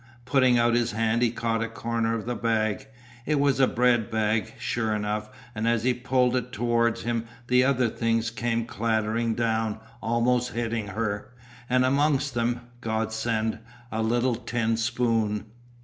Putting out his hand he caught a corner of the bag. It was a bread bag, sure enough, and as he pulled it towards him the other things came clattering down almost hitting her, and amongst them, God sent, a little tin spoon.